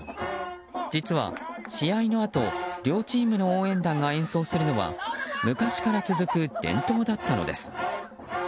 実は、試合のあと両チームの応援団が演奏するのは昔から続く伝統だったのです。